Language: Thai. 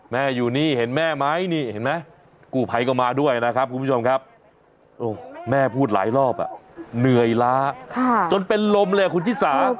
แม่อยู่นี่เห็นแม่ไหมนี่เห็นไหมกู้ไภเข้ามาด้วยนะครับคุณผู้ชมครับ